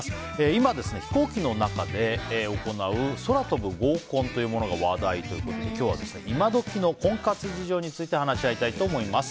今、飛行機の中で行う空飛ぶ合コンというものが話題ということで今日はイマドキの婚活事情について話し合いたいと思います。